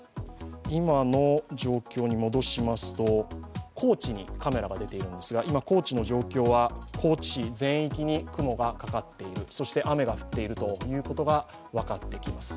今の状況に戻しますと高知にカメラが出ているんですが今、高知の状況は高知市全域に雲がかかっている、そして雨が降っているということが分かってきます。